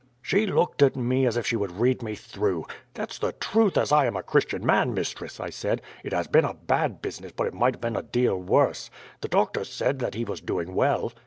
"She looked at me as if she would read me through. 'That's the truth as I am a Christian man, mistress,' I said. 'It has been a bad business, but it might have been a deal worse. The doctor said that he was doing well.'